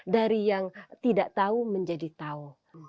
dari yang tidak tahu menjadi tahu